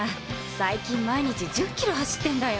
最近毎日１０キロ走ってんだよ。